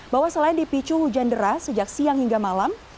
bahwa selain dipicu hujan deras sejak siang hingga malam